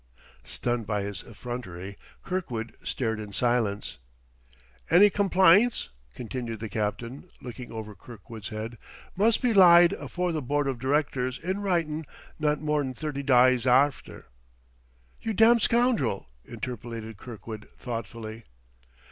Stunned by his effrontery, Kirkwood stared in silence. "Any complynts," continued the captain, looking over Kirkwood's head, "must be lyde afore the Board of Directors in writin' not more'n thirty dyes arfter " "You damned scoundrel!" interpolated Kirkwood thoughtfully.